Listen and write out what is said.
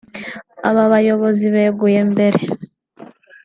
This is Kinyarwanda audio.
Aba bayobozi beguye mbere